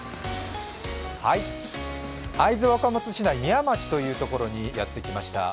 会津若松市内、宮町というところにやってきました。